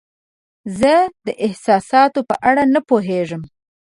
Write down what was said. زه د احساساتو په اړه نه پوهیږم.